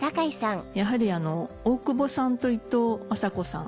やはり大久保さんといとうあさこさん